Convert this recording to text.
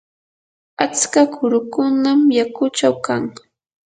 atska kurukunam yakuchaw kan.